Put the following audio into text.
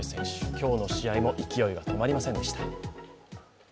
今日の試合も勢いが止まりませんでした。